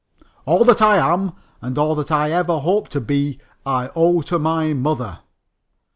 "All that I am and all that I ever hope to be I owe to my mother."